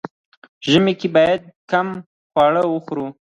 ژمی کی باید ګرم خواړه وخوري.